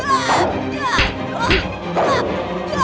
hanya itu kemampuanmu